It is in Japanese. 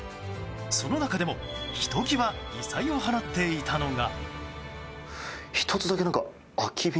その中でも、ひときわ異彩を放っていたのが。